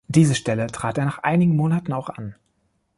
Diese Stelle trat er nach einigen Monaten auch an.